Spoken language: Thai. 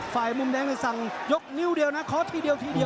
ฝ่ายมุมแดงที่จะสั่งยกนิ้วเดียวนะขอทีเดียว